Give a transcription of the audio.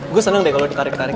gue seneng deh kalau dikarik karik